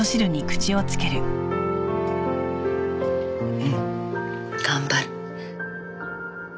うん頑張る。